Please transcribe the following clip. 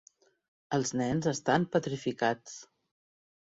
Els nens estan petrificats.